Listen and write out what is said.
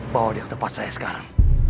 bawa dia tempat saya sekarang